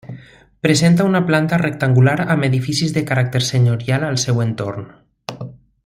Presenta una planta rectangular amb edificis de caràcter senyorial al seu entorn.